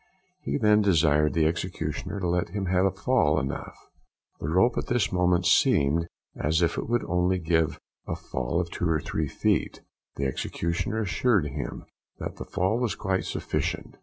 He then desired the executioner to let him have fall enough. The rope at this moment seemed as if it would only give a fall of two or three feet. The executioner assured him that the fall was quite sufficient.